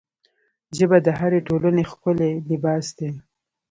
ژبه د هرې ټولنې ښکلی لباس دی